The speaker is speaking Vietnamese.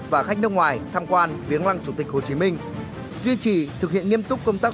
và khách nước ngoài tham quan viếng lăng chủ tịch hồ chí minh duy trì thực hiện nghiêm túc công tác